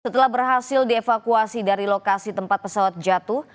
setelah berhasil dievakuasi dari lokasi tempat pesawat jatuh